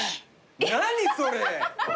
何それ！